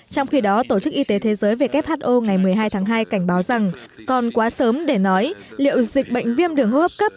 trong khi đó tổ chức y tế thế giới who ngày một mươi hai tháng hai cảnh báo rằng còn quá sớm để nói liệu dịch bệnh viêm đường hô hấp cấp